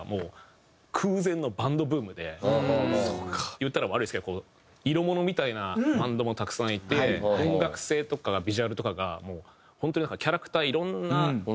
言ったら悪いですけど色物みたいなバンドもたくさんいて音楽性とかビジュアルとかが本当になんかキャラクター。